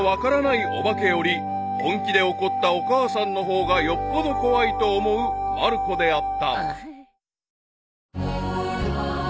お化けより本気で怒ったお母さんの方がよっぽど怖いと思うまる子であった］